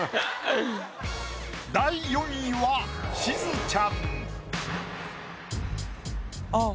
第４位はしずちゃん。